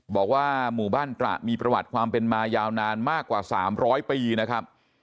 บอกว่าหมู่บ้านตระมีประวัติความเป็นมายาวนานมากกว่า๓๐๐ปีนะครับ